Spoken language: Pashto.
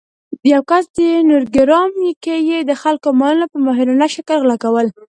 یو کس چې نورګرام کې يې د خلکو مالونه په ماهرانه شکل غلا کول